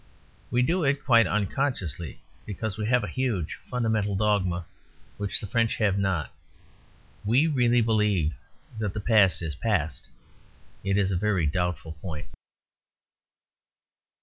We do it quite unconsciously; because we have a huge fundamental dogma, which the French have not. We really believe that the past is past. It is a very doubtful point.